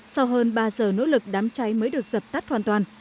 sau hơn ba giờ nỗ lực đám cháy mới được dập tắt hoàn toàn